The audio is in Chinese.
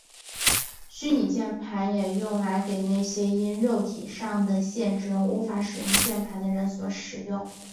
虚拟键盘也用来给那些因为肉体上的限制而无法使用键盘的人所使用。